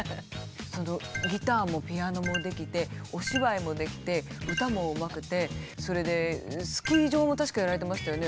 ギターもピアノもできてお芝居もできて歌もうまくてそれでスキー場も確かやられてましたよね。